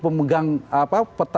pemegang peta politik